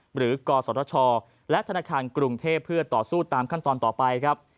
กศชและธนาคารกรุงเทพเพื่อต่อสู้ตามขั้นตอนต่อไปครับ